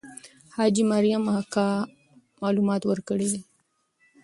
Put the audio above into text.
حاجي مریم اکا معلومات ورکړي دي.